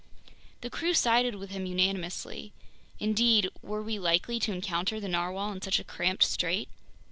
The crew sided with him unanimously. Indeed, were we likely to encounter the narwhale in such a cramped strait?